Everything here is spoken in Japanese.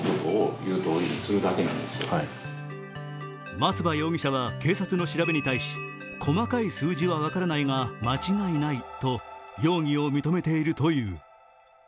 松葉容疑者は警察の調べに対し、細かい数字は分からないが間違いないと容疑を認めているという。